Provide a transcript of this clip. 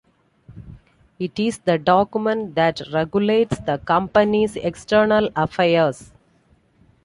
It is the document that regulates the company's external affairs.